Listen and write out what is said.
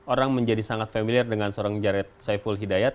orang menjadi sangat familiar dengan seorang jared saiful hidayat